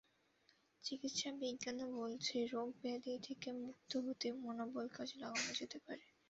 চিকিৎসাবিজ্ঞানও বলছে, রোগ-ব্যাধি থেকে মুক্ত হতে মনোবল কাজে লাগানো যেতে পারে।